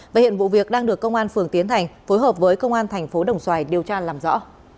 và hiện vụ việc đang được công an phường tiến thành phối hợp với công an thành phố đồng xoài điều tra làm rõ